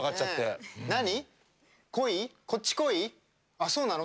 あっそうなの？